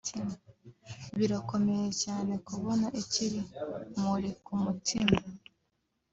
birakomeye cyane kubona ikimuri ku mutima